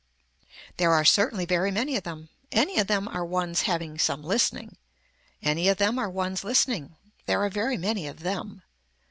There are certainly very many of them. Any of them are ones having some listening. Any of them are ones listening. There are very many of them.